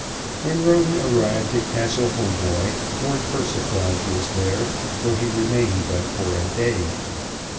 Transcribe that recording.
When Roden arrived at Castle Hautboy Lord Persiflage was there, though he remained but for a day.